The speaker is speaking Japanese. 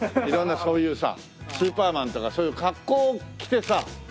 色んなそういうさスーパーマンとかそういう格好を着てさ